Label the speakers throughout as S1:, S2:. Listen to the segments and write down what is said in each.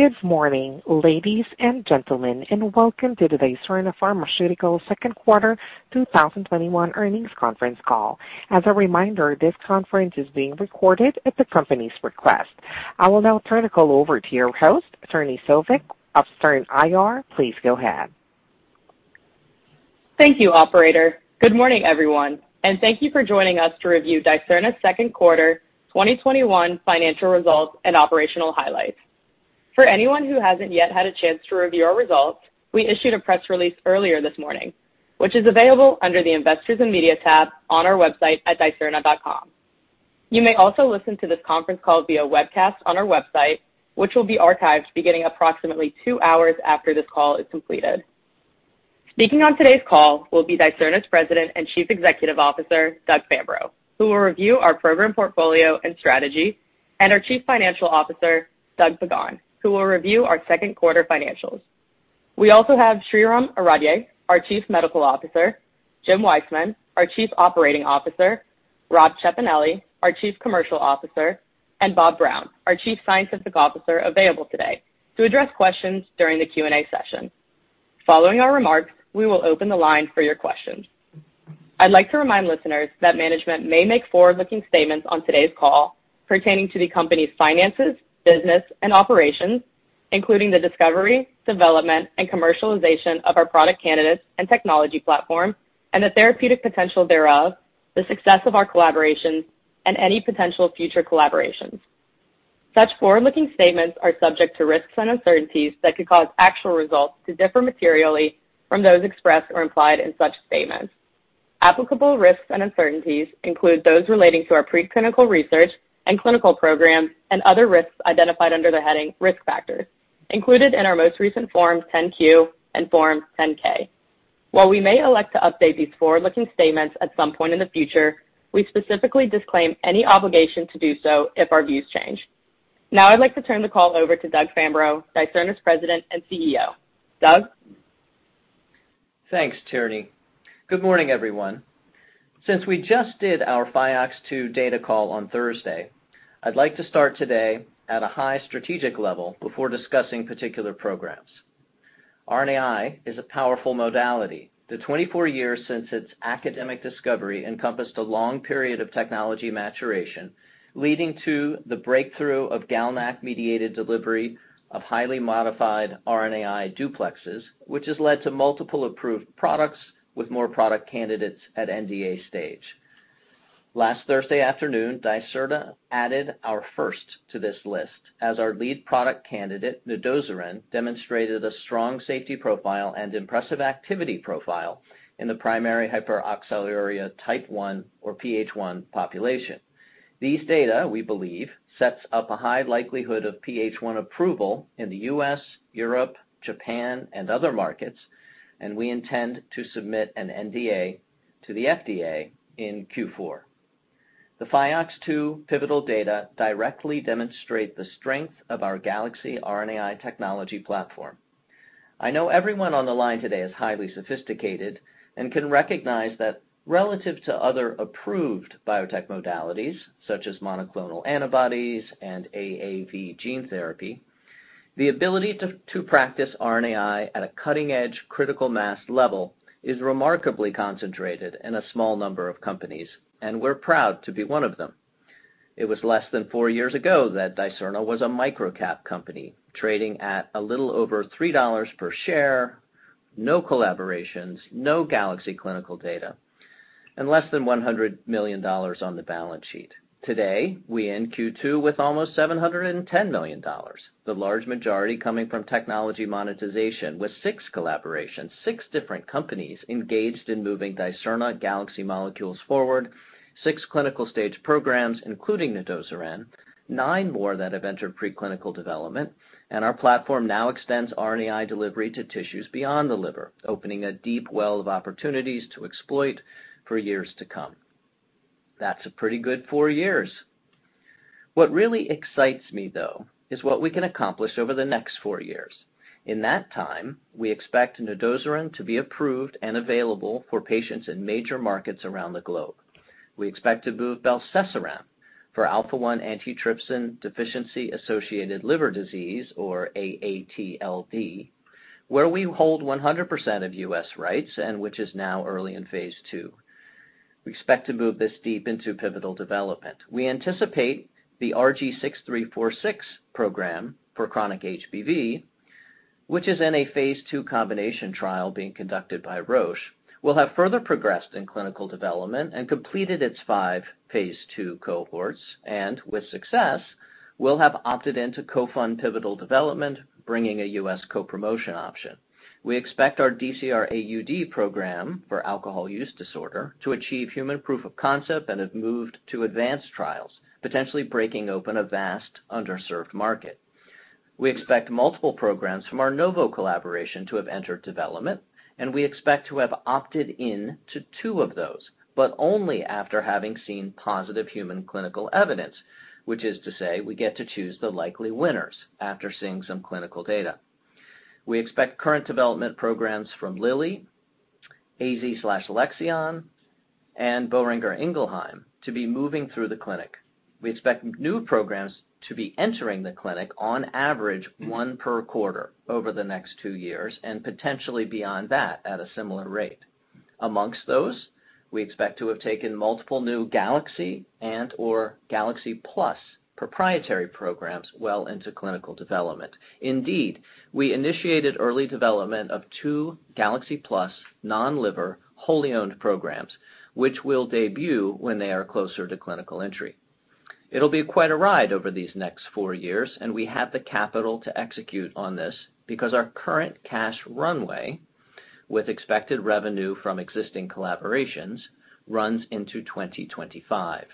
S1: Good morning, ladies and gentlemen, welcome to today's Dicerna Pharmaceuticals Q2 2021 earnings conference call. As a reminder, this conference is being recorded at the company's request. I will now turn the call over to your host, Tierney Souvik of Stern IR. Please go ahead.
S2: Thank you, operator. Good morning, everyone, and thank you for joining us to review Dicerna's Q2 2021 financial results and operational highlights. For anyone who hasn't yet had a chance to review our results, we issued a press release earlier this morning, which is available under the Investors and Media tab on our website at dicerna.com. You may also listen to this conference call via webcast on our website, which will be archived beginning approximately two hours after this call is completed. Speaking on today's call will be Dicerna's President and Chief Executive Officer, Doug Fambrough, who will review our program portfolio and strategy, and our Chief Financial Officer, Doug Pagan, who will review our Q2 financials. We also have Shreeram Aradhye, our Chief Medical Officer, Jim Weissman, our Chief Operating Officer, Rob Ciappenelli, our Chief Commercial Officer, and Bob Brown, our Chief Scientific Officer, available today to address questions during the Q&A session. Following our remarks, we will open the line for your questions. I'd like to remind listeners that management may make forward-looking statements on today's call pertaining to the company's finances, business, and operations, including the discovery, development, and commercialization of our product candidates and technology platform and the therapeutic potential thereof, the success of our collaborations, and any potential future collaborations. Such forward-looking statements are subject to risks and uncertainties that could cause actual results to differ materially from those expressed or implied in such statements. Applicable risks and uncertainties include those relating to our pre-clinical research and clinical programs and other risks identified under the heading Risk Factors included in our most recent Form 10-Q and Form 10-K. While we may elect to update these forward-looking statements at some point in the future, we specifically disclaim any obligation to do so if our views change. Now I'd like to turn the call over to Doug Fambrough, Dicerna's President and CEO. Doug?
S3: Thanks, Tierney. Good morning, everyone. Since we just did our PHYOX2 data call on Thursday, I'd like to start today at a high strategic level before discussing particular programs. RNAi is a powerful modality. The 24 years since its academic discovery encompassed a long period of technology maturation, leading to the breakthrough of GalNAc-mediated delivery of highly modified RNAi duplexes, which has led to multiple approved products with more product candidates at NDA stage. Last Thursday afternoon, Dicerna added our first to this list as our lead product candidate, Nedosiran, demonstrated a strong safety profile and impressive activity profile in the Primary Hyperoxaluria Type 1, or PH1 population. These data, we believe, sets up a high likelihood of PH1 approval in the U.S., Europe, Japan, and other markets, and we intend to submit an NDA to the FDA in Q4. The PHYOX2 pivotal data directly demonstrate the strength of our GalXC RNAi technology platform. I know everyone on the line today is highly sophisticated and can recognize that relative to other approved biotech modalities, such as monoclonal antibodies and AAV gene therapy, the ability to practice RNAi at a cutting-edge critical mass level is remarkably concentrated in a small number of companies, and we're proud to be one of them. It was less than four years ago that Dicerna was a microcap company, trading at a little over $3 per share, no collaborations, no GalXC clinical data, and less than $100 million on the balance sheet, today, we end Q2 with almost $710 million, the large majority coming from technology monetization with six collaborations, six different companies engaged in moving Dicerna GalXC molecules forward, six clinical stage programs, including Nedosiran- Nine more that have entered preclinical development, and our platform now extends RNAi delivery to tissues beyond the liver, opening a deep well of opportunities to exploit for years to come. That's a pretty good four years. What really excites me, though, is what we can accomplish over the next four years. In that time, we expect Nedosiran to be approved and available for patients in major markets around the globe. We expect to move Belcesiran for Alpha-1 Antitrypsin deficiency-associated liver disease, or AATLD, where we hold 100% of U.S. rights and which is now early in Phase II. We expect to move this deep into pivotal development we anticipate the RG6346 program for chronic HBV, which is in Phase II combination trial being conducted by Roche, will have further progressed in clinical development and completed its Phase II cohorts, and with success, will have opted in to co-fund pivotal development, bringing a U.S. co-promotion option. We expect our DCR-AUD program for alcohol use disorder to achieve human proof of concept and have moved to advanced trials, potentially breaking open a vast underserved market. We expect multiple programs from our Novo collaboration to have entered development, and we expect to have opted in to two of those, but only after having seen positive human clinical evidence, which is to say we get to choose the likely winners after seeing some clinical data. We expect current development programs from Lilly, AZ/Alexion and Boehringer Ingelheim to be moving through the clinic. We expect new programs to be entering the clinic on average one per quarter over the next two years, and potentially beyond that at a similar rate. Amongst those, we expect to have taken multiple new GalXC and/or GalXC-Plus proprietary programs well into clinical development. Indeed, we initiated early development of two GalXC-Plus non-liver wholly-owned programs, which will debut when they are closer to clinical entry. It'll be quite a ride over these next four years, and we have the capital to execute on this because our current cash runway, with expected revenue from existing collaborations, runs into 2025.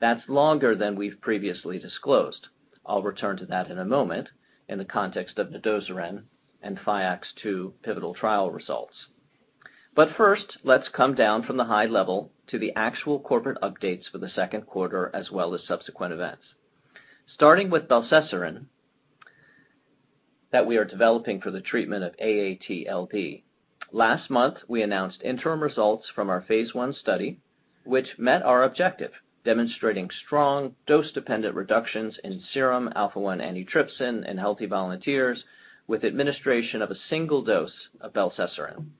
S3: That's longer than we've previously disclosed. I'll return to that in a moment in the context of Nedosiran and PHYOX2 pivotal trial results. First, let's come down from the high level to the actual corporate updates for the Q2, as well as subsequent events. Starting with Belcesiran that we are developing for the treatment of AATLD. Last month, we announced interim results from our Phase I study, which met our objective, demonstrating strong dose-dependent reductions in serum Alpha-1 Antitrypsin in healthy volunteers with administration of a single dose of Belcesiran.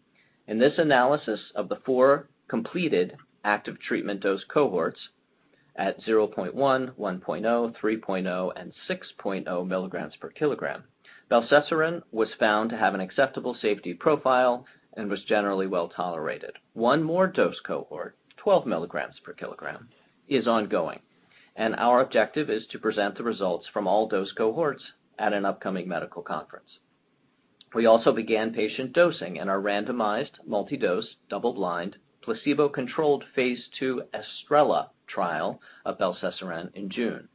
S3: In this analysis of the four completed active treatment dose cohorts at 0.1.0, 3.0, and 6.0 milligrams per kilogram, Belcesiran was found to have an acceptable safety profile and was generally well-tolerated. One more dose cohort, 12 milligrams per kilogram, is ongoing, and our objective is to present the results from all dose cohorts at an upcoming medical conference. We also began patient dosing in our randomized, multi-dose, double-blind, Phase II ESTRELLA trial of Belcesiran in June.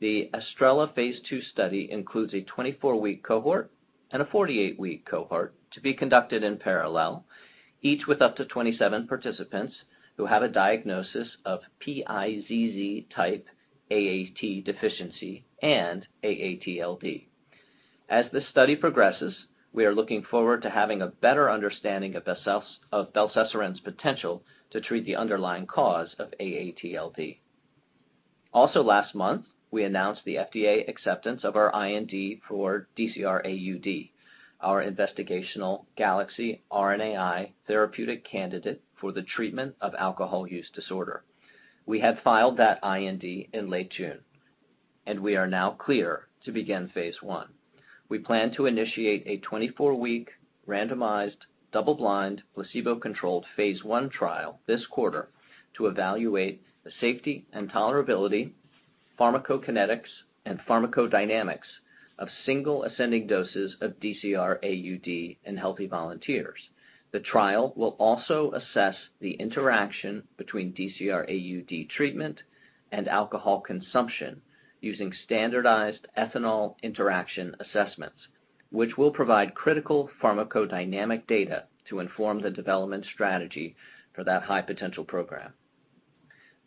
S3: The ESTRELLA Phase II study includes a 24-week cohort and a 48-week cohort to be conducted in parallel, each with up to 27 participants who have a diagnosis of PiZZ type AAT deficiency and AATLD. As this study progresses, we are looking forward to having a better understanding of Belcesiran's potential to treat the underlying cause of AATLD. Last month, we announced the FDA acceptance of our IND for DCR-AUD, our investigational GalXC RNAi therapeutic candidate for the treatment of alcohol use disorder. We had filed that IND in late June. We are now clear to begin Phase I. We plan to initiate a 24-week randomized, double-blind, placebo-controlled Phase I trial this quarter to evaluate the safety and tolerability, pharmacokinetics, and pharmacodynamics of single ascending doses of DCR-AUD in healthy volunteers. The trial will also assess the interaction between DCR-AUD treatment and alcohol consumption using standardized ethanol interaction assessments, which will provide critical pharmacodynamic data to inform the development strategy for that high-potential program.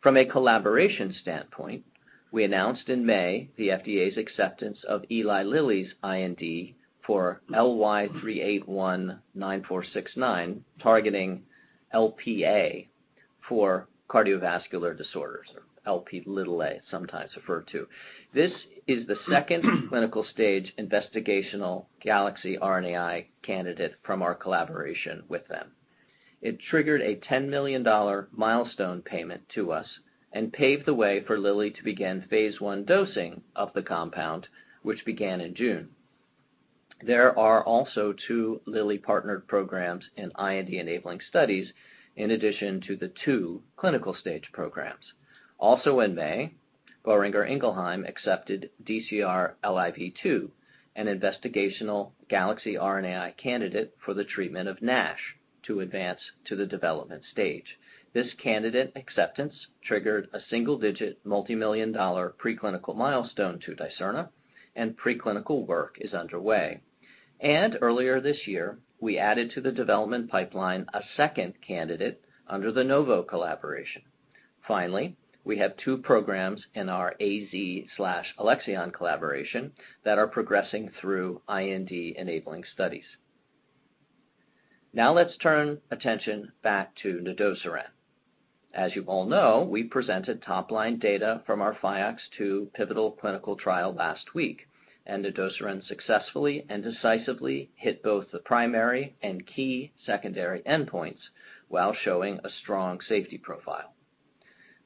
S3: From a collaboration standpoint, we announced in May the FDA's acceptance of Eli Lilly's IND for LY3819469, targeting LPA for cardiovascular disorders, or Lp(a), sometimes referred to, this is the second clinical-stage investigational GalXC RNAi candidate from our collaboration with them. It triggered a $10 million milestone payment to us and paved the way for Lilly to begin Phase I dosing of the compound, which began in June. There are also two Lilly partnered programs in IND-enabling studies, in addition to the two clinical-stage programs. Also in May, Boehringer Ingelheim accepted DCR-LIV2, an investigational GalXC RNAi candidate for the treatment of NASH to advance to the development stage this candidate acceptance triggered a single-digit multimillion-dollar preclinical milestone to Dicerna and preclinical work is underway. Earlier this year, we added to the development pipeline a second candidate under the Novo collaboration. Finally, we have two programs in our AZ/Alexion collaboration that are progressing through IND-enabling studies. Now let's turn attention back to Nedosiran. As you all know, we presented top-line data from our PHYOX2 pivotal clinical trial last week, and Nedosiran successfully and decisively hit both the primary and key secondary endpoints while showing a strong safety profile.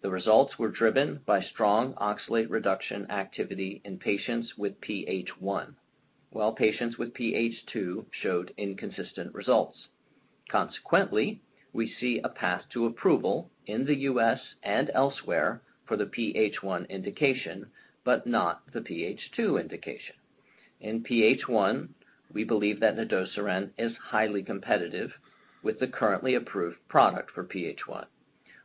S3: The results were driven by strong oxalate reduction activity in patients with PH1, while patients with PH2 showed inconsistent results. Consequently, we see a path to approval in the U.S. and elsewhere for the PH1 indication, but not the PH2 indication. In PH1, we believe that Nedosiran is highly competitive with the currently approved product for PH1.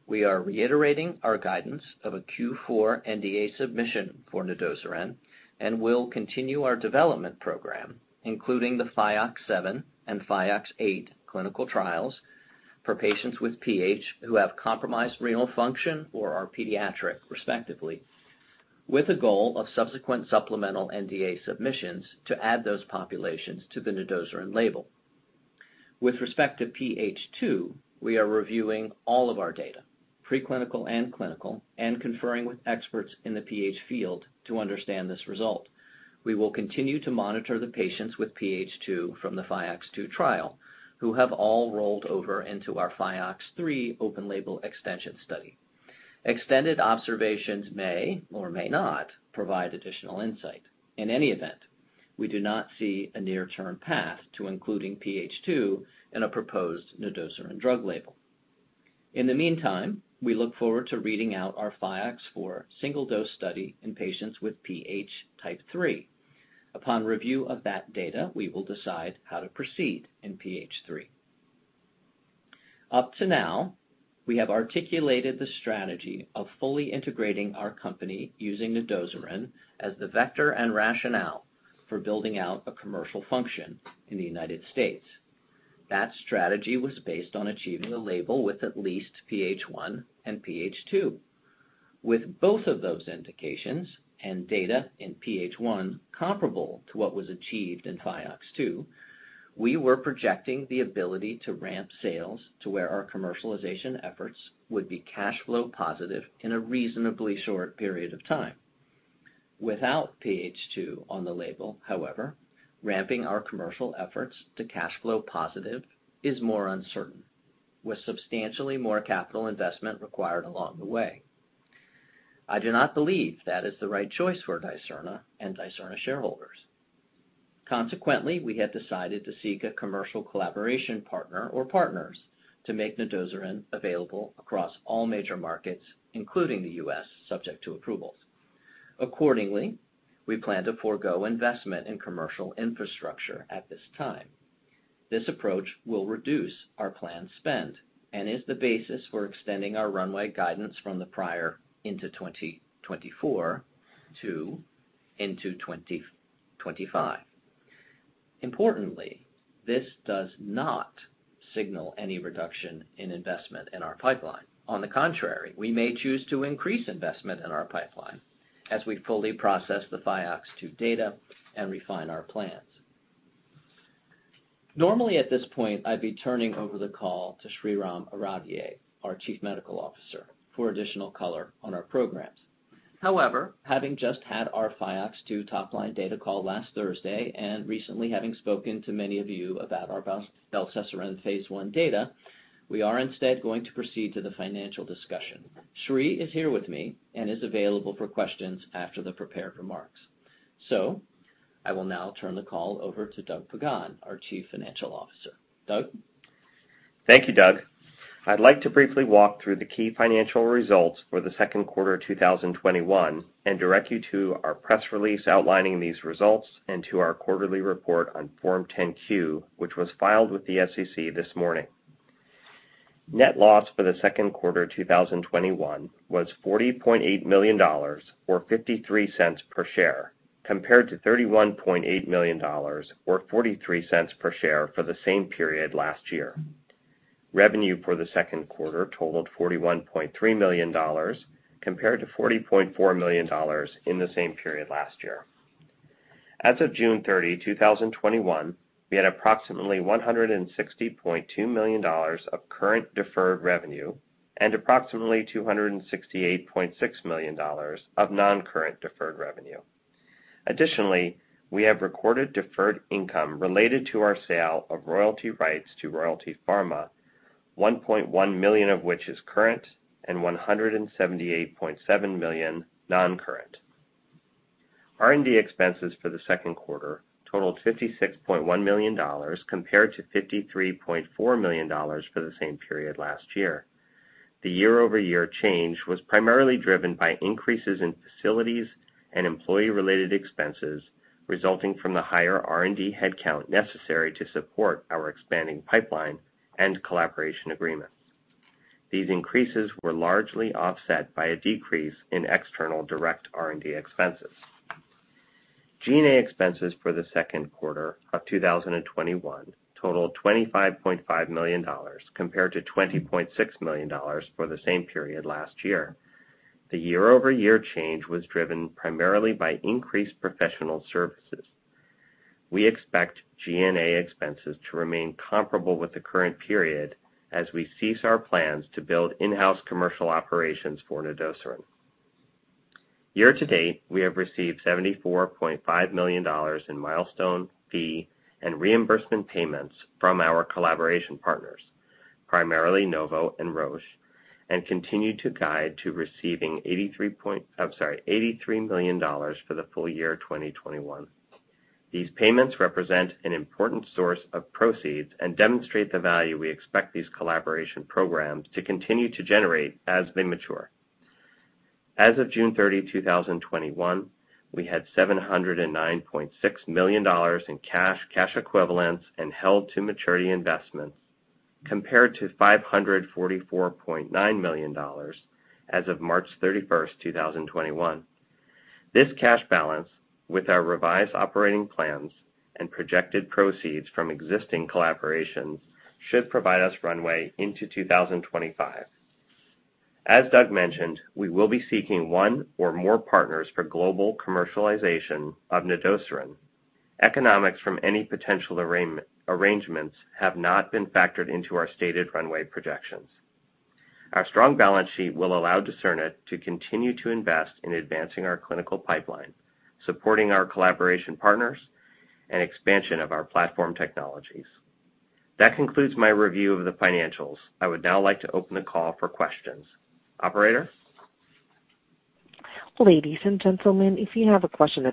S3: We are reiterating our guidance of a Q4 NDA submission for Nedosiran and will continue our development program, including the PHYOX7 and PHYOX8 clinical trials for patients with PH who have compromised renal function or are pediatric, respectively. With a goal of subsequent supplemental NDA submissions to add those populations to the Nedosiran label. With respect to PH2, we are reviewing all of our data, preclinical and clinical, and conferring with experts in the PH field to understand this result. We will continue to monitor the patients with PH2 from the PHYOX2 trial, who have all rolled over into our PHYOX3 open label extension study. Extended observations may or may not provide additional insight. In any event, we do not see a near term path to including PH2 in a proposed Nedosiran drug label. In the meantime, we look forward to reading out our PHYOX4 single-dose study in patients with PH type 3. Upon review of that data, we will decide how to proceed in PH3. Up to now, we have articulated the strategy of fully integrating our company using Nedosiran as the vector and rationale for building out a commercial function in the U.S. That strategy was based on achieving a label with at least PH1 and PH2. With both of those indications and data in PH1 comparable to what was achieved in PHYOX2, we were projecting the ability to ramp sales to where our commercialization efforts would be cash flow positive in a reasonably short period of time. Without PH2 on the label, however, ramping our commercial efforts to cash flow positive is more uncertain, with substantially more capital investment required along the way. I do not believe that is the right choice for Dicerna and Dicerna shareholders. Consequently, we have decided to seek a commercial collaboration partner or partners to make Nedosiran available across all major markets, including the U.S., subject to approvals. Accordingly, we plan to forego investment in commercial infrastructure at this time. This approach will reduce our planned spend and is the basis for extending our runway guidance from the prior into 2024 to into 2025. Importantly, this does not signal any reduction in investment in our pipeline. On the contrary, we may choose to increase investment in our pipeline as we fully process the PHYOX2 data and refine our plans. Normally at this point, I'd be turning over the call to Shreeram Aradhye, our Chief Medical Officer, for additional color on our programs. However, having just had our PHYOX2 top line data call last Thursday, and recently having spoken to many of you about our Belcesiran Phase I data, we are instead going to proceed to the financial discussion. Shree is here with me and is available for questions after the prepared remarks. I will now turn the call over to Doug Pagan, our Chief Financial Officer. Doug?
S4: Thank you, Doug. I'd like to briefly walk through the key financial results for the Q2 2021 and direct you to our press release outlining these results and to our quarterly report on Form 10-Q, which was filed with the SEC this morning. Net loss for the Q2 2021 was $40.8 million, or $0.53 per share, compared to $31.8 million or $0.43 per share for the same period last year. Revenue for the Q2 totaled $41.3 million, compared to $40.4 million in the same period last year. As of 30 June 2021, we had approximately $160.2 million of current deferred revenue and approximately $268.6 million of non-current deferred revenue. Additionally, we have recorded deferred income related to our sale of royalty rights to Royalty Pharma, $1.1 million of which is current and $178.7 million non-current. R&D expenses for the Q2 totaled $56.1 million, compared to $53.4 million for the same period last year. The year-over-year change was primarily driven by increases in facilities and employee-related expenses resulting from the higher R&D headcount necessary to support our expanding pipeline and collaboration agreement. These increases were largely offset by a decrease in external direct R&D expenses. SG&A expenses for the Q2 of 2021 totaled $25.5 million, compared to $20.6 million for the same period last year. The year-over-year change was driven primarily by increased professional services. We expect SG&A expenses to remain comparable with the current period as we cease our plans to build in-house commercial operations for Nedosiran. Year to date, we have received $74.5 million in milestone fee and reimbursement payments from our collaboration partners, primarily Novo and Roche, and continue to guide to receiving $83 million for the full year 2021. These payments represent an important source of proceeds and demonstrate the value we expect these collaboration programs to continue to generate as they mature. As of 30 June 2021, we had $709.6 million in cash equivalents and held to maturity investments, compared to $544.9 million as of 31 March 2021. This cash balance, with our revised operating plans and projected proceeds from existing collaborations, should provide us runway into 2025. As Doug mentioned, we will be seeking one or more partners for global commercialization of Nedosiran. Economics from any potential arrangements have not been factored into our stated runway projections. Our strong balance sheet will allow Dicerna to continue to invest in advancing our clinical pipeline, supporting our collaboration partners, and expansion of our platform technologies. That concludes my review of the financials. I would now like to open the call for questions. Operator?
S1: Your first question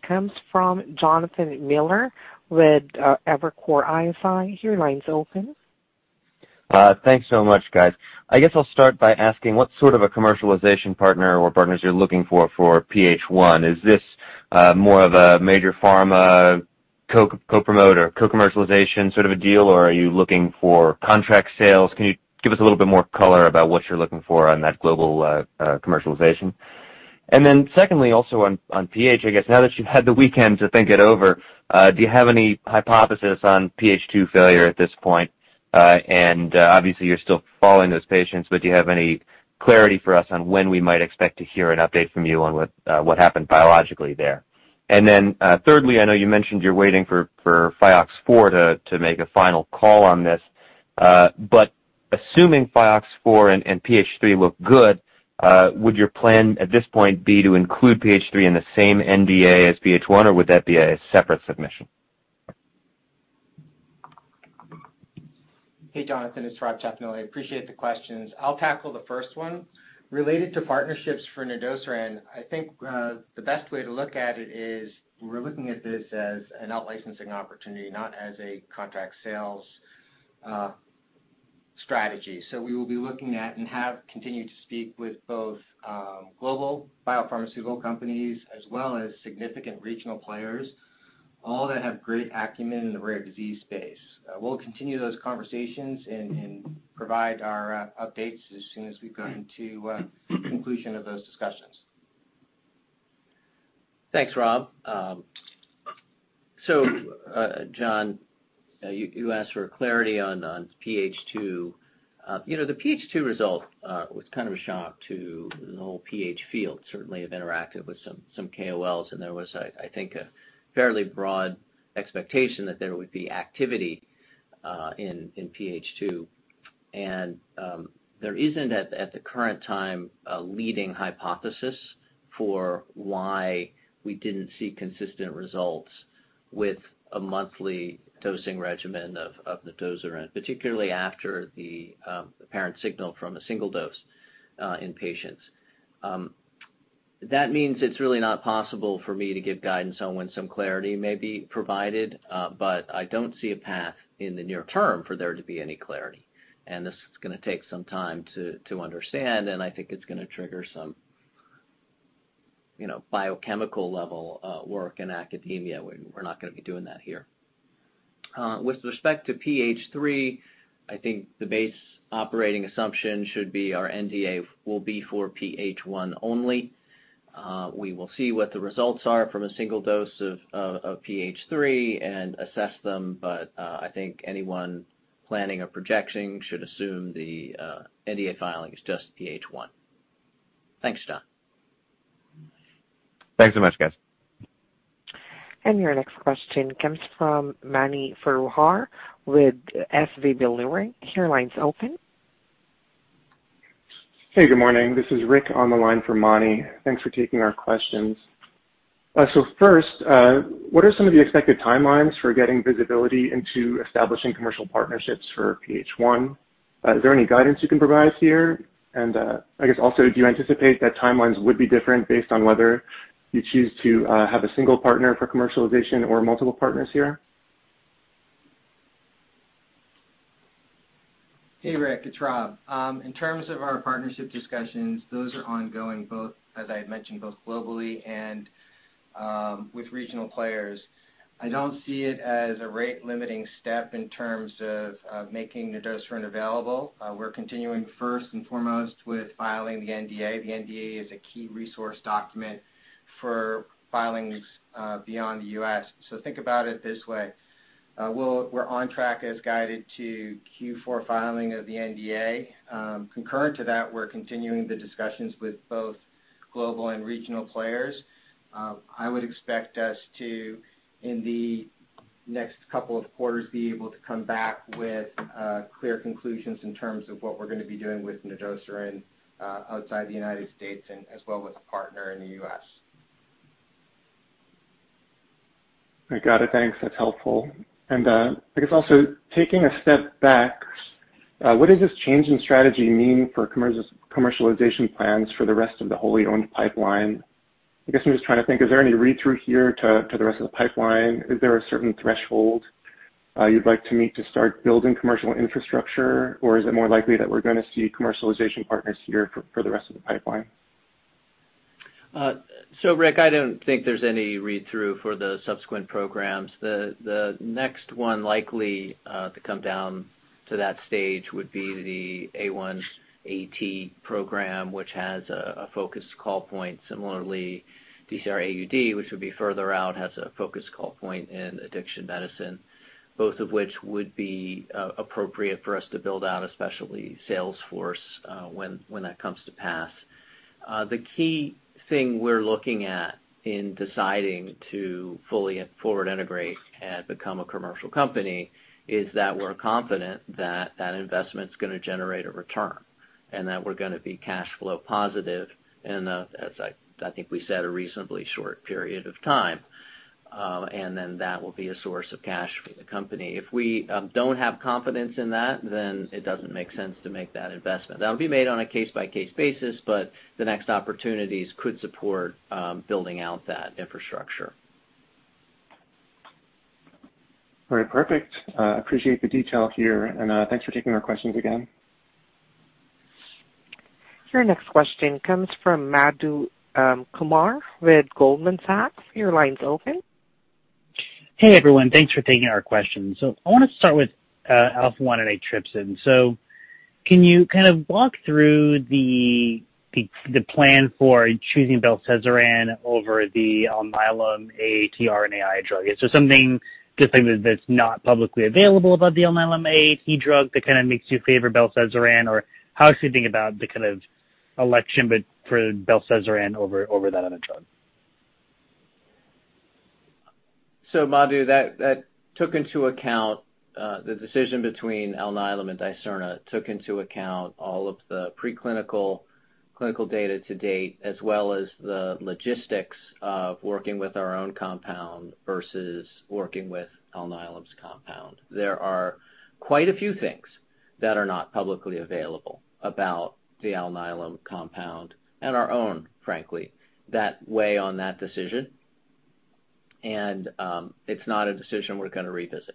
S1: comes from Jonathan Miller with Evercore ISI. Your line's open.
S5: Thanks so much, guys. I guess I'll start by asking what sort of a commercialization partner or partners you're looking for PH1 is this more of a major pharma co-promoter, co-commercialization sort of a deal? or are you looking for contract sales? Can you give us a little bit more color about what you're looking for on that global commercialization? Secondly, also on PH, I guess now that you've had the weekend to think it over, do you have any hypothesis on PH2 failure at this point? Obviously you're still following those patients, do you have any clarity for us on when we might expect to hear an update from you on what happened biologically there? Thirdly, I know you mentioned you're waiting for PHYOX4 to make a final call on this but, assuming PHYOX4 and PH3 look good, would your plan at this point be to include PH3 in the same NDA as PH1, or would that be a separate submission?
S6: Hey, Jonathan, it's Rob Ciappenelli. I appreciate the questions. I'll tackle the first one. Related to partnerships for Nedosiran, I think, the best way to look at it is we're looking at this as an out-licensing opportunity, not as a contract sales strategy so we will be looking at and have continued to speak with both global biopharmaceutical companies as well as significant regional players, all that have great acumen in the rare disease space. We'll continue those conversations and provide our updates as soon as we've gotten to a conclusion of those discussions.
S3: Thanks, Rob. John, you asked for clarity on PH2. The PH2 result was kind of a shock to the whole PH field, certainly have interacted with some KOLs and there was, I think, a fairly broad expectation that there would be activity in PH2. There isn't at the current time a leading hypothesis for why we didn't see consistent results with a monthly dosing regimen of Nedosiran, particularly after the apparent signal from a single dose in patients. That means it's really not possible for me to give guidance on when some clarity may be provided. I don't see a path in the near term for there to be any clarity. This is going to take some time to understand, and I think it's going to trigger some biochemical level work in academia we're not going to be doing that here. With respect to PH3, I think the base operating assumption should be our NDA will be for PH1 only. We will see what the results are from a single dose of PH3 and assess them. I think anyone planning or projecting should assume the NDA filing is just PH1. Thanks, John.
S5: Thanks so much, guys.
S1: Your next question comes from Mani Foroohar with SVB Leerink. Your line's open.
S7: Hey, good morning. This is Rick on the line for Mani. Thanks for taking our questions. First, what are some of the expected timelines for getting visibility into establishing commercial partnerships for PH1? Is there any guidance you can provide here? I guess also, do you anticipate that timelines would be different based on whether you choose to have a single partner for commercialization or multiple partners here?
S6: Hey, Rick, it's Rob. In terms of our partnership discussions, those are ongoing, as I had mentioned, both globally and with regional players. I don't see it as a rate-limiting step in terms of making Nedosiran available. We're continuing first and foremost with filing the NDA the NDA is a key resource document for filings beyond the U.S. Think about it this way. We're on track as guided to Q4 filing of the NDA. Concurrent to that, we're continuing the discussions with both global and regional players. I would expect us to, in the next couple of quarters, be able to come back with clear conclusions in terms of what we're going to be doing with Nedosiran outside the United States and as well with a partner in the U.S.
S7: I got it thanks that's helpful. I guess also taking a step back, what does this change in strategy mean for commercialization plans for the rest of the wholly owned pipeline? I guess I'm just trying to think, is there any read-through here to the rest of the pipeline? Is there a certain threshold you'd like to meet to start building commercial infrastructure? or is it more likely that we're going to see commercialization partners here for the rest of the pipeline?
S3: Rick, I don't think there's any read-through for the subsequent programs. The next one likely to come down to that stage would be the A1AT program, which has a focused call point similarly, DCR-AUD, which would be further out, has a focused call point in addiction medicine, both of which would be appropriate for us to build out a specialty sales force when that comes to pass. The key thing we're looking at in deciding to fully forward integrate and become a commercial company is that we're confident that investment's going to generate a return, and that we're going to be cash flow positive in the, as I think we said, a reasonably short period of time. That will be a source of cash for the company if we don't have confidence in that, then it doesn't make sense to make that investment that'll be made on a case-by-case basis, but the next opportunities could support building out that infrastructure.
S7: All right, perfect. Appreciate the detail here, and thanks for taking our questions again.
S1: Your next question comes from Madhu Kumar with Goldman Sachs. Your line's open.
S8: Hey everyone, thanks for taking our question. I want to start with Alpha-1 Antitrypsin. Can you kind of walk through the plan for choosing Belcesiran over the Alnylam AAT RNAi drug? Is there something that's not publicly available about the Alnylam AAT drug that kind of makes you favor Belcesiran? How should we think about the kind of election for Belcesiran over that other drug?
S3: Madhu, that took into account the decision between Alnylam and Dicerna, took into account all of the preclinical clinical data to date as well as the logistics of working with our own compound versus working with Alnylam's compound there are quite a few things that are not publicly available about the Alnylam compound and our own, frankly, that weigh on that decision, and it's not a decision we're going to revisit.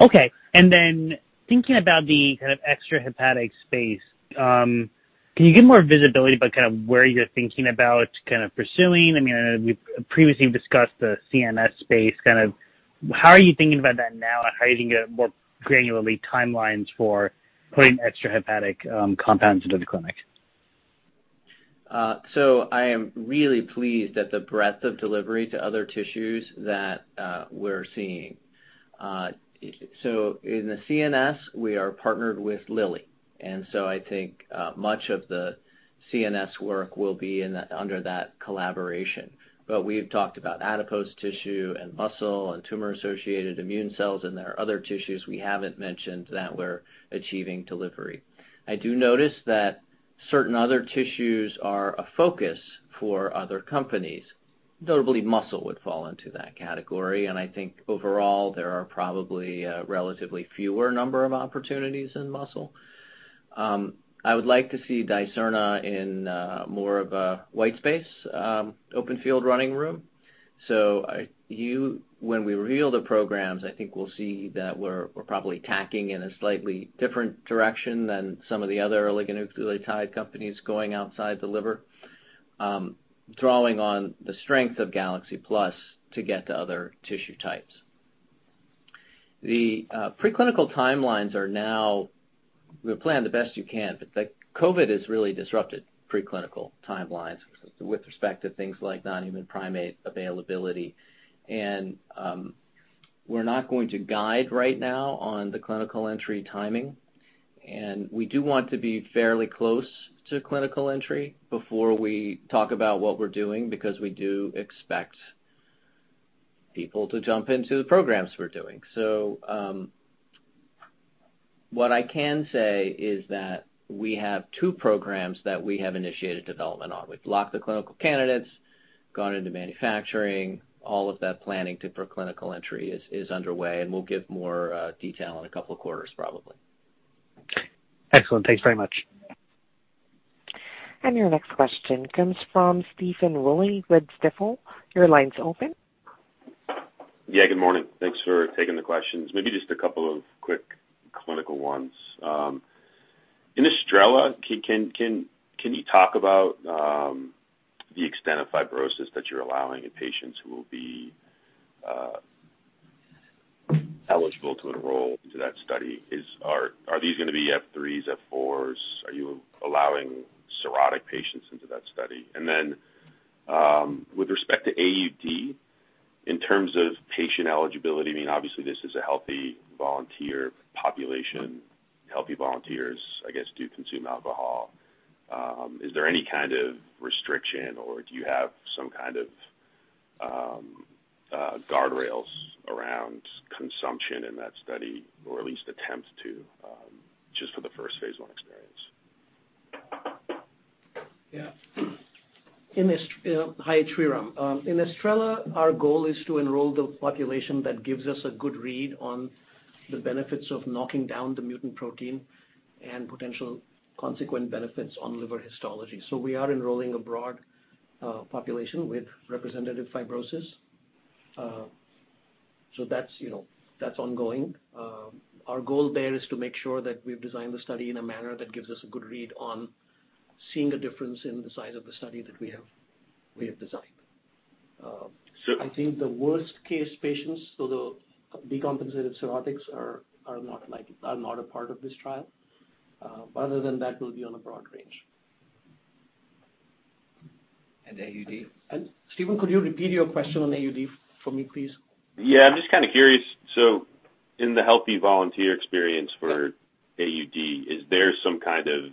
S8: Okay, and then hinking about the kind of extrahepatic space, can you give more visibility about where you're thinking about pursuing? I know you've previously discussed the CNS space. How are you thinking about that now? and how are you thinking about more granularly timelines for putting extrahepatic compounds into the clinic?
S3: I am really pleased at the breadth of delivery to other tissues that we're seeing. In the CNS, we are partnered with Lilly, and so I think much of the CNS work will be under that collaboration. We've talked about adipose tissue and muscle and tumor-associated immune cells, and there are other tissues we haven't mentioned that we're achieving delivery. I do notice that certain other tissues are a focus for other companies. Notably, muscle would fall into that category, and I think overall there are probably a relatively fewer number of opportunities in muscle. I would like to see Dicerna in more of a white space, open field running room. When we reveal the programs, I think we'll see that we're probably tacking in a slightly different direction than some of the other oligonucleotide companies going outside the liver, drawing on the strength of GalXC-Plus to get to other tissue types. You plan the best you can, but the COVID has really disrupted preclinical timelines with respect to things like non-human primate availability. We're not going to guide right now on the clinical entry timing, and we do want to be fairly close to clinical entry before we talk about what we're doing, because we do expect people to jump into the programs we're doing. What I can say is that we have two programs that we have initiated development on we've locked the clinical candidates, gone into manufacturing, all of that planning to preclinical entry is underway we'll give more detail in a couple of quarters probably.
S8: Excellent. Thanks very much.
S1: Your next question comes from Stephen Willey with Stifel. Your line's open.
S9: Yeah, good morning. Thanks for taking the questions maybe just a couple of quick clinical ones. In ESTRELLA, can you talk about the extent of fibrosis that you're allowing in patients who will be eligible to enroll into that study? Are these going to be F3s, F4s? Are you allowing cirrhotic patients into that study? With respect to AUD, in terms of patient eligibility, obviously this is a healthy volunteer population. Healthy volunteers, I guess, do consume alcohol. Is there any kind of restriction or do you have some kind of guardrails around consumption in that study, or at least attempt to, just for the first Phase I experience?
S3: Yeah.
S10: Hi, it's Shreeram. In ESTRELLA, our goal is to enroll the population that gives us a good read on the benefits of knocking down the mutant protein and potential consequent benefits on liver histology so we are enrolling a broad population with representative fibrosis. That's ongoing. Our goal there is to make sure that we've designed the study in a manner that gives us a good read on seeing a difference in the size of the study that we have designed.
S9: So-
S10: I think the worst case patients, so the decompensated cirrhotics are not a part of this trial. Other than that, we'll be on a broad range.
S9: AUD?
S10: Stephen, could you repeat your question on AUD for me, please?
S9: I'm just kind of curious. In the healthy volunteer experience for AUD, is there some kind of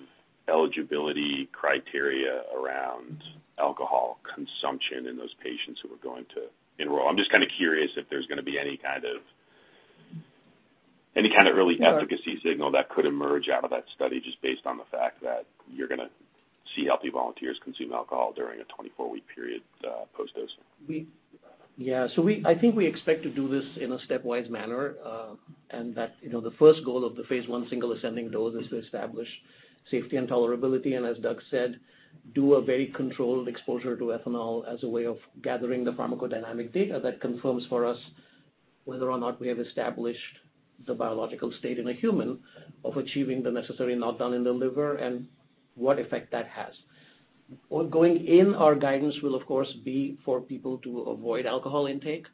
S9: eligibility criteria around alcohol consumption in those patients who are going to enroll? I'm just kind of curious if there's going to be any kind of early efficacy signal that could emerge out of that study just based on the fact that you're going to see healthy volunteers consume alcohol during a 24-week period post-dose.
S10: Yeah. I think we expect to do this in a stepwise manner, and that the first goal of the Phase I single ascending dose is to establish safety and tolerability and, as Doug said, do a very controlled exposure to ethanol as a way of gathering the pharmacodynamic data that confirms for us whether or not we have established the biological state in a human of achieving the necessary knockdown in the liver and what effect that has. Going in, our guidance will, of course, be for people to avoid alcohol intake.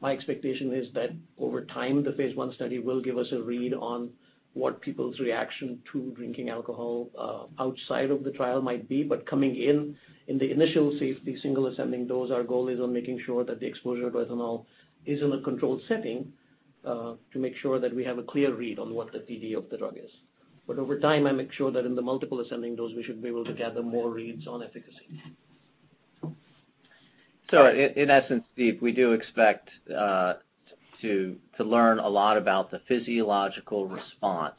S10: My expectation is that over time, the Phase I study will give us a read on what people's reaction to drinking alcohol outside of the trial might be, but coming in in the initial safety single ascending dose, our goal is on making sure that the exposure to ethanol is in a controlled setting to make sure that we have a clear read on what the TD of the drug is. Over time, I make sure that in the multiple ascending dose, we should be able to gather more reads on efficacy.
S3: In essence, Steph, we do expect to learn a lot about the physiological response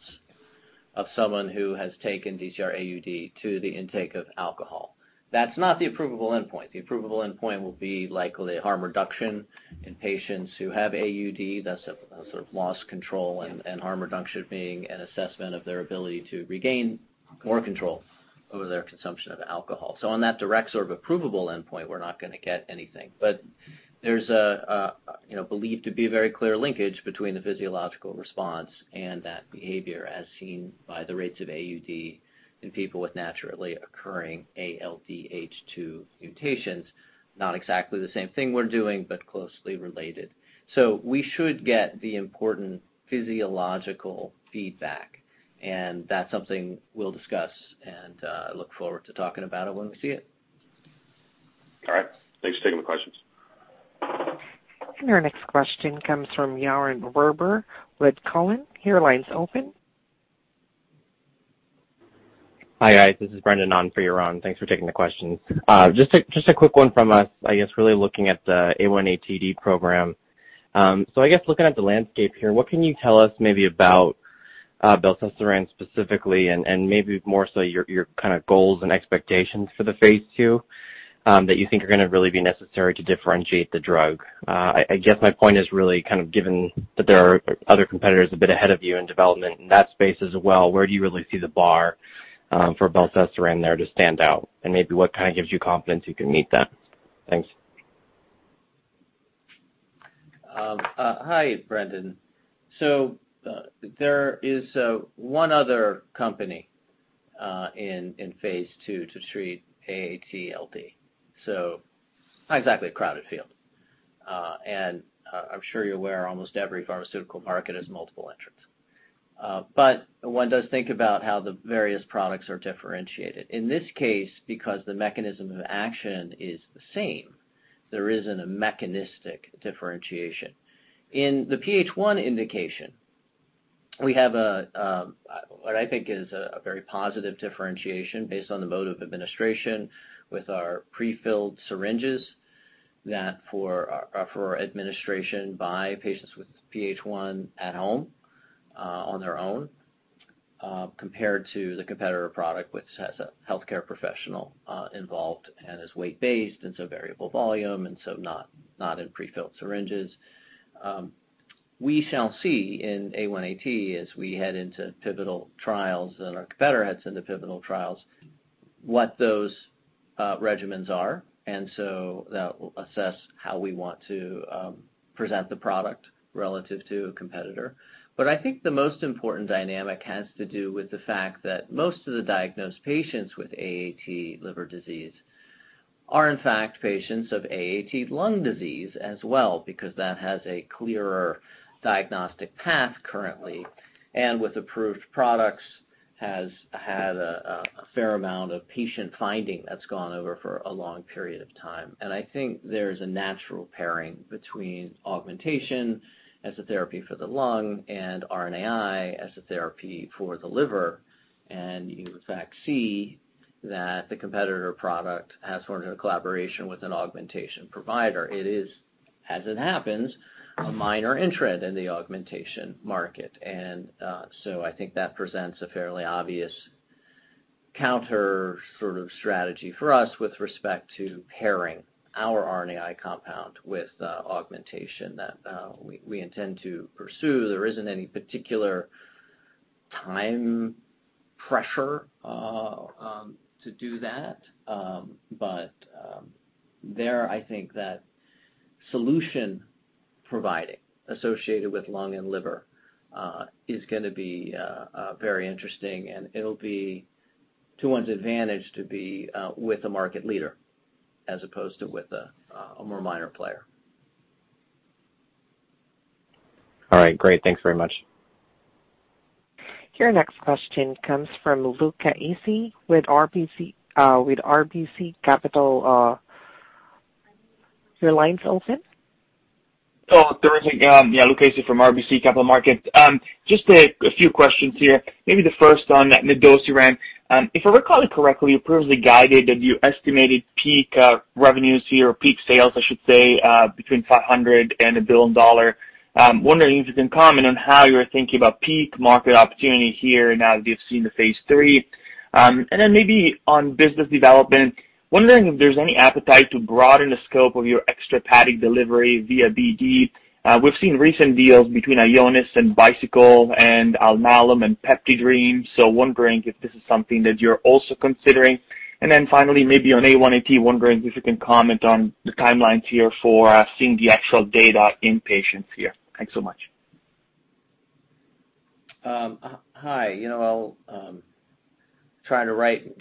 S3: of someone who has taken DCR-AUD to the intake of alcohol. That's not the approvable endpoint the approvable endpoint will be likely harm reduction in patients who have AUD, that's a sort of loss control and harm reduction being an assessment of their ability to regain more control over their consumption of alcohol so on that direct sort of approvable endpoint, we're not going to get anything. There's believed to be very clear linkage between the physiological response and that behavior as seen by the rates of AUD in people with naturally occurring ALDH2 mutations. Not exactly the same thing we're doing, but closely related. We should get the important physiological feedback, and that's something we'll discuss and look forward to talking about it when we see it.
S9: All right. Thanks for taking the questions.
S1: Our next question comes from Yaron Werber with TD Cowen. Your line's open.
S11: Hi, guys. This is Brendan on for Yaron thanks for taking the questions. Just a quick one from us, I guess really looking at the A1ATD program. I guess looking at the landscape here, what can you tell us maybe about Belcesiran specifically and maybe more so your kind of goals and expectations for Phase II that you think are going to really be necessary to differentiate the drug? I guess my point is really kind of given that there are other competitors a bit ahead of you in development in that space as well, where do you really see the bar for Belcesiran there to stand out? maybe what kind of gives you confidence you can meet that? Thanks.
S3: Hi, Brendan. There is one other company Phase II to treat AATLD. Not exactly a crowded field. I'm sure you're aware almost every pharmaceutical market has multiple entrants. One does think about how the various products are differentiated in this case, because the mechanism of action is the same, there isn't a mechanistic differentiation. In the PH1 indication, we have what I think is a very positive differentiation based on the mode of administration with our prefilled syringes that for administration by patients with PH1 at home on their own compared to the competitor product which has a healthcare professional involved and is weight-based and so variable volume and so not in prefilled syringes. We shall see in A1AT as we head into pivotal trials and our competitor heads into pivotal trials what those regimens are, and so that will assess how we want to present the product relative to a competitor. I think the most important dynamic has to do with the fact that most of the diagnosed patients with AAT liver disease- -are in fact patients of AAT lung disease as well because that has a clearer diagnostic path currently and with approved products has had a fair amount of patient finding that's gone over for a long period of time and i think there's a natural pairing between augmentation as a therapy for the lung and RNAi as a therapy for the liver. You in fact see that the competitor product has formed a collaboration with an augmentation provider. It is, as it happens, a minor entrant in the augmentation market. So i think that presents a fairly obvious, counter sort of strategy for us with respect to pairing our RNAi compound with augmentation that we intend to pursue there isn't any particular time pressure to do that. But, there, I think that solution providing associated with lung and liver is going to be very interesting, and it'll be to one's advantage to be with a market leader as opposed to with a more minor player.
S11: All right, great. Thanks very much.
S1: Your next question comes from Luca Issi with RBC Capital Markets. Your line's open.
S12: Oh, terrific yeah, Luca Issi from RBC Capital Markets. Just a few questions here. Maybe the first on Nedosiran. If I recall it correctly, you previously guided that you estimated peak revenues here or peak sales, I should say, between $500,000 and %1 billion. Wondering if you can comment on how you're thinking about peak market opportunity here now that you've seen the Phase III. Then maybe on business development, wondering if there's any appetite to broaden the scope of your extrahepatic delivery via BD. We've seen recent deals between Ionis and Bicycle and Alnylam and PeptiDream. Wondering if this is something that you're also considering. Then finally, maybe on A1AT, wondering if you can comment on the timelines here for seeing the actual data in patients here. Thanks so much.
S3: Hi. I'll try to write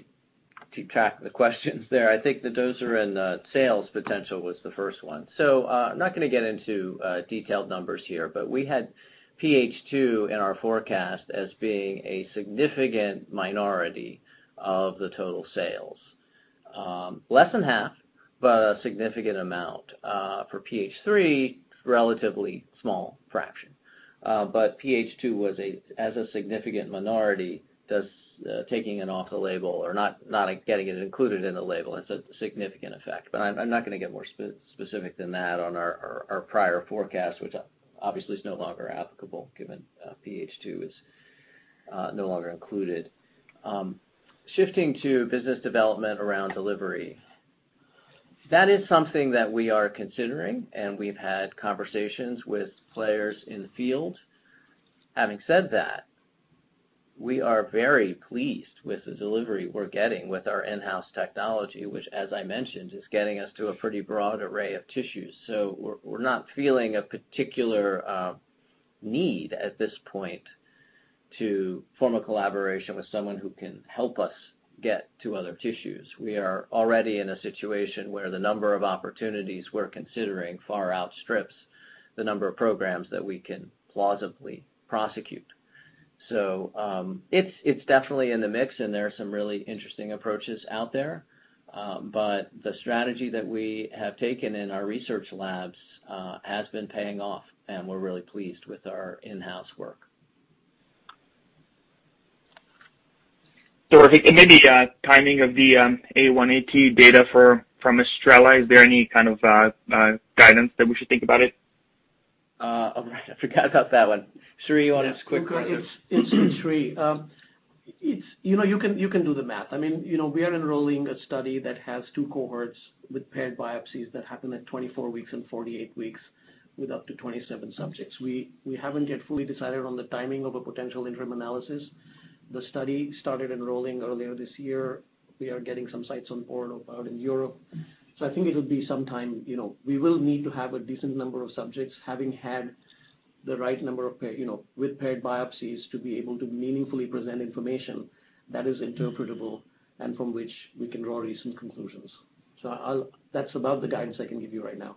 S3: to track the questions there i think the doser and the sales potential was the first one. I'm not going to get into detailed numbers here, but we had PH2 in our forecast as being a significant minority of the total sales. Less than half, but a significant amount. For PH3, relatively small fraction. But PH2 was, as a significant minority, does taking an off the label or not getting it included in the label, it's a significant effect. I'm not going to get more specific than that on our prior forecast, which obviously is no longer applicable given PH2 is no longer included. Shifting to business development around delivery. That is something that we are considering, and we've had conversations with players in the field. Having said that, we are very pleased with the delivery we're getting with our in-house technology, which as I mentioned, is getting us to a pretty broad array of tissues so we're not feeling a particular- -need at this point to form a collaboration with someone who can help us get to other tissues we are already in a situation where the number of opportunities we're considering far outstrips the number of programs that we can plausibly prosecute. It's definitely in the mix, and there are some really interesting approaches out there. The strategy that we have taken in our research labs has been paying off, and we're really pleased with our in-house work.
S12: Perfect maybe timing of the A1AT data from ESTRELLA is there any kind of guidance that we should think about it?
S3: All right. I forgot about that one. Shree, you want to just quickly-
S10: Yeah. Luca, it's Shree. You can do the math i mean we are enrolling a study that has two cohorts with paired biopsies that happen at 24 weeks and 48 weeks with up to 27 subjects. We haven't yet fully decided on the timing of a potential interim analysis. The study started enrolling earlier this year. We are getting some sites on board out in Europe. I think it'll be some time. You know, we will need to have a decent number of subjects having had the right number with paired biopsies to be able to meaningfully present information that is interpretable and from which we can draw recent conclusions. That's about the guidance I can give you right now.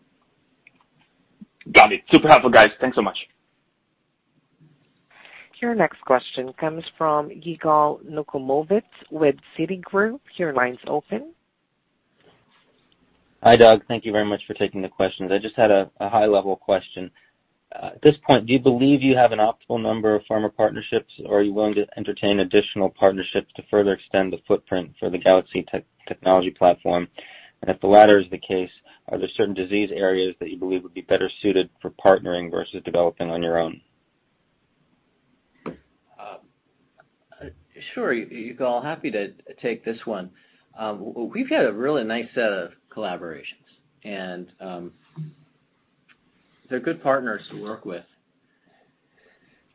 S12: Got it. Super helpful, guys. Thanks so much.
S1: Your next question comes from Yigal Nochomovitz with Citigroup. Your line's open.
S13: Hi, Doug. Thank you very much for taking the questions i just had a high-level question. At this point, do you believe you have an optimal number of pharma partnerships, or are you willing to entertain additional partnerships to further extend the footprint for the GalXC technology platform? If the latter is the case, are there certain disease areas that you believe would be better suited for partnering versus developing on your own?
S3: Sure, Yigal happy to take this one. We've had a really nice set of collaborations, and they're good partners to work with.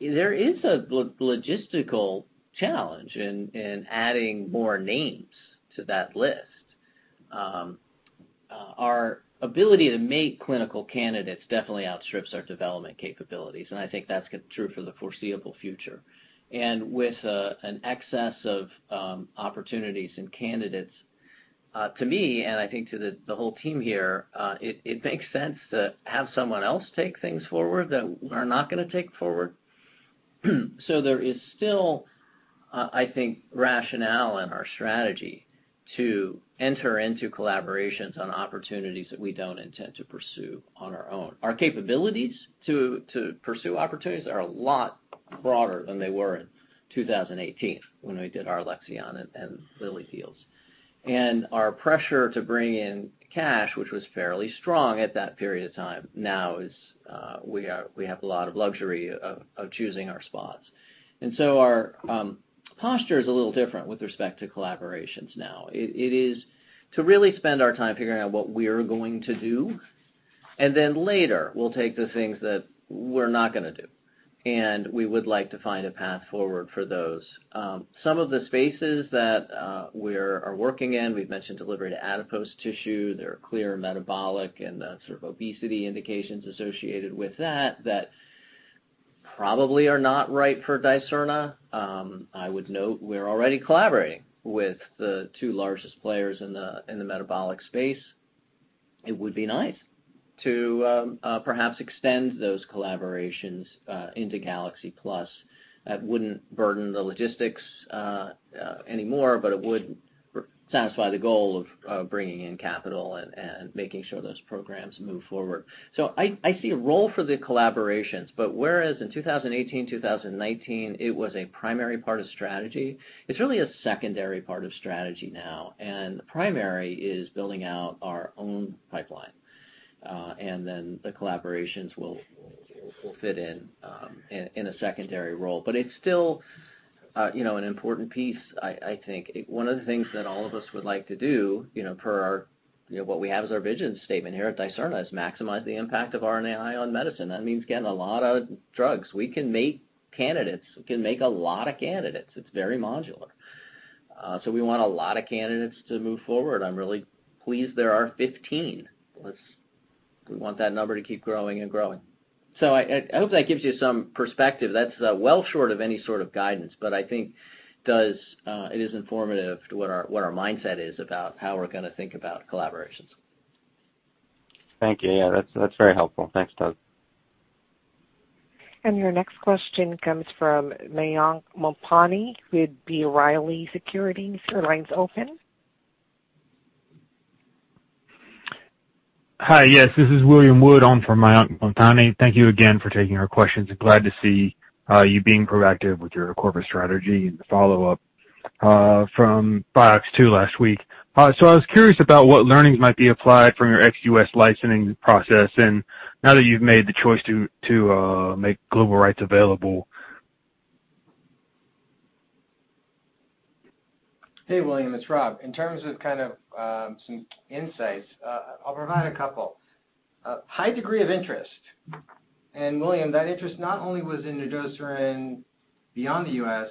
S3: There is a logistical challenge in adding more names to that list. Our ability to make clinical candidates definitely outstrips our development capabilities, and I think that's true for the foreseeable future. With an excess of opportunities and candidates, to me, and I think to the whole team here, it makes sense to have someone else take things forward that we're not going to take forward. There is still, I think, rationale in our strategy to enter into collaborations on opportunities that we don't intend to pursue on our own, our capabilities to pursue opportunities are a lot broader than they were in 2018 when we did our Alexion and Lilly deals. Our pressure to bring in cash, which was fairly strong at that period of time, now we have a lot of luxury of choosing our spots. Our posture is a little different with respect to collaborations now it is to really spend our time figuring out what we are going to do, and then later we'll take the things that we're not going to do, and we would like to find a path forward for those. Some of the spaces that we are working in, we've mentioned delivery to adipose tissue, there are clear metabolic and sort of obesity indications associated with that probably are not right for Dicerna. I would note we're already collaborating with the two largest players in the metabolic space. It would be nice to perhaps extend those collaborations into GalXC-Plus. That wouldn't burden the logistics anymore, but it would satisfy the goal of bringing in capital and making sure those programs move forward. I see a role for the collaborations, but whereas in 2018, 2019, it was a primary part of strategy, it's really a secondary part of strategy now, and the primary is building out our own pipeline. The collaborations will fit in a secondary role but it's still an important piece, I think, one of the things that all of us would like to do, per what we have as our vision statement here at Dicerna, is maximize the impact of RNAi on medicine that means, again, a lot of drugs, we can make candidates, we can make a lot of candidates. It's very modular. We want a lot of candidates to move forward i'm really pleased there are 15. We want that number to keep growing and growing. I hope that gives you some perspective that's well short of any sort of guidance, but I think it is informative to what our mindset is about how we're going to think about collaborations.
S13: Thank you. Yeah, that's very helpful thanks, Doug.
S1: Your next question comes from Mayank Mamtani with B. Riley Securities. Your line's open.
S14: Hi. Yes, this is William Wood on for Mayank Mamtani. Thank you again for taking our questions glad to see you being proactive with your corporate strategy in the follow-up from PHYOX2 last week. I was curious about what learnings might be applied from your ex-US licensing process and now that you've made the choice to make global rights available.
S6: Hey, William, it's Rob in terms of some insights, I'll provide a couple. High degree of interest. William, that interest not only was in Nedosiran beyond the U.S.,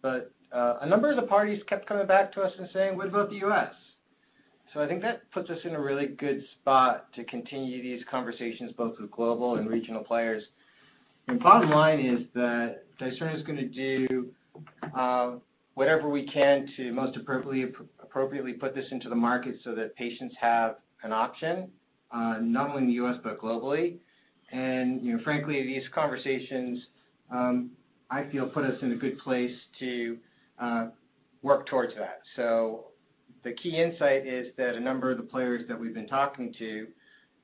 S6: but a number of the parties kept coming back to us and saying, "What about the U.S.?" I think that puts us in a really good spot to continue these conversations both with global and regional players. Bottom line is that Dicerna is going to do whatever we can to most appropriately put this into the market so that patients have an option, not only in the U.S., but globally. And, frankly, these conversations, I feel put us in a good place to work towards that. The key insight is that a number of the players that we've been talking to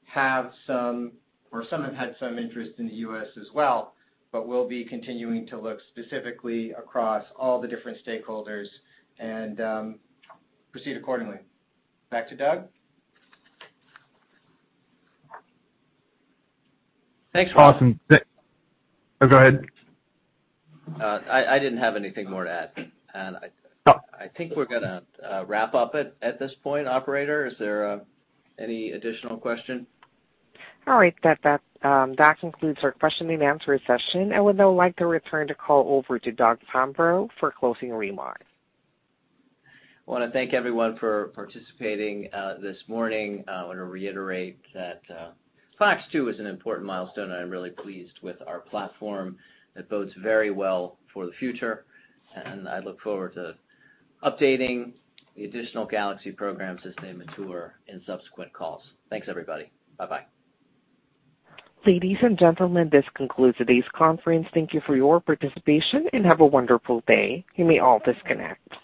S6: have some, or some have had some interest in the U.S. as well, but we'll be continuing to look specifically across all the different stakeholders and proceed accordingly. Back to Doug.
S14: Thanks, Rob. Awesome.
S6: Oh, go ahead.
S3: I didn't have anything more to add. I think we're going to wrap up at this point Operator, is there any additional question?
S1: All right. That concludes our question and answer session. I would now like to return the call over to Doug Fambrough for closing remarks.
S3: I want to thank everyone for participating this morning. I want to reiterate that PHYOX2 is an important milestone, and I'm really pleased with our platform that bodes very well for the future, and I look forward to updating the additional GalXC programs as they mature in subsequent calls. Thanks, everybody. Bye-bye.
S1: Ladies and gentlemen, this concludes today's conference. Thank you for your participation, and have a wonderful day. You may all disconnect.